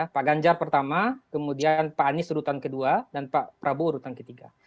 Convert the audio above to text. pak ganjar pertama kemudian pak anies urutan kedua dan pak prabowo urutan ketiga